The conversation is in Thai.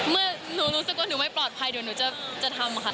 เมื่อหนูรู้สึกว่าหนูไม่ปลอดภัยเดี๋ยวหนูจะทำค่ะ